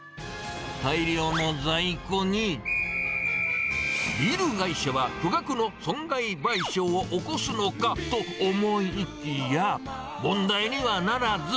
大量の在庫に、ビール会社は巨額の損害賠償を起こすのかと思いきや、問題にはならず。